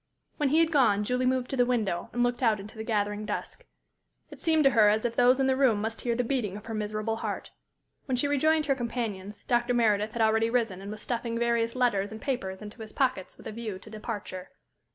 When he had gone, Julie moved to the window and looked out into the gathering dusk. It seemed to her as if those in the room must hear the beating of her miserable heart. When she rejoined her companions, Dr. Meredith had already risen and was stuffing various letters and papers into his pockets with a view to departure.